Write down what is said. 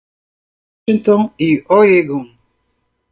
Washington y Oregon.